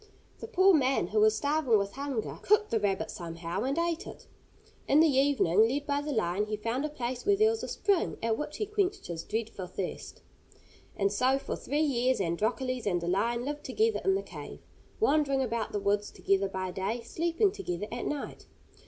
The poor man, who was starving with hunger, cooked the rabbit somehow, and ate it. In the evening, led by the lion, he found a place where there was a spring, at which he quenched his dreadful thirst. And so for three years Androcles and the lion lived together in the cave; wandering about the woods together by day, sleeping together at night.